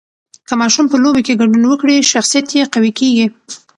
که ماشوم په لوبو کې ګډون وکړي، شخصیت یې قوي کېږي.